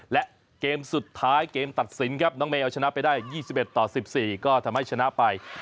และเกมสุดท้ายเกมตัดสินครับน้องเมลชนะไปได้๒๑ต่อ๑๔ก็ทำให้ชนะไป